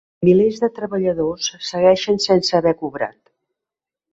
Milers de treballadors segueixen sense haver cobrat.